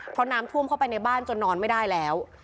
เพราะน้ำท่วมเข้าไปในบ้านจนนอนไม่ได้แล้ว